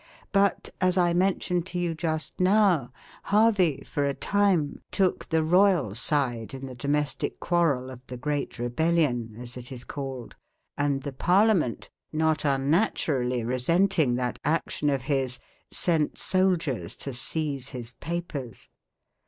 But, as I mentioned to you just now, Harvey, for a time, took the royal side in the domestic quarrel of the Great Rebellion, as it is called; and the Parliament, not unnaturally resenting that action of his, sent soldiers to seize his papers.